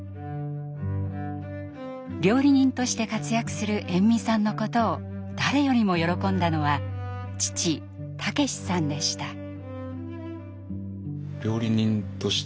料理人として活躍する延味さんのことを誰よりも喜んだのは父武さんでした。